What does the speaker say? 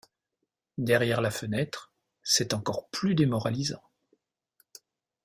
Derrière la fenêtre, c’est encore plus démoralisant.